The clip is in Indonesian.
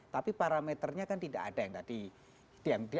tapi parameternya kan tidak ada yang tadi